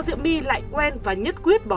diễm my lại quen và nhất quyết bỏ